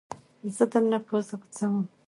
زه درنه پوزه غوڅوم